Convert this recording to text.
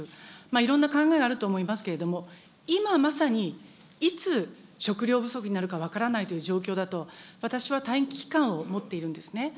いろんな考えがあると思いますけれども、今まさにいつ、食料不足になるか分からないという状況だと、私は大変危機感を持っているんですね。